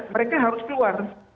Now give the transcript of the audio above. mereka harus keluar